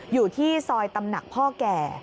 อยู่ที่ซอยตำหนักพ่อแก่